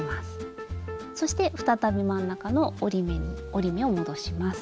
そして再び真ん中の折り目を戻します。